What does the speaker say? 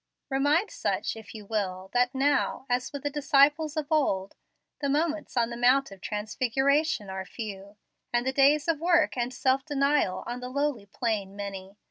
Remind such, if you will, that now, as with the disciples of old, the moments on the Mount of Transfiguration are few, and the days of work and self denial on the lowly plain many.